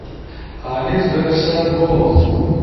آنیس در سیات بو